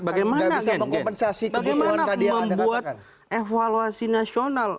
bagaimana membuat evaluasi nasional